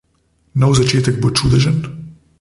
Nov začetek bo čudežen.